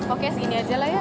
oke segini aja lah ya